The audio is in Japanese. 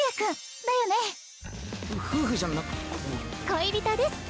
恋人です。